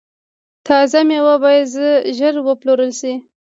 تازه میوې باید ژر وپلورل شي.